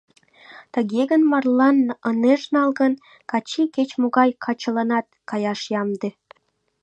Тыге гын, марлан ынеж нал гын, Качий кеч-могай качыланат каяш ямде.